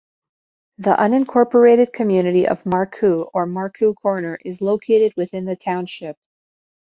The unincorporated community of Marcoux or Marcoux Corner is located within the township.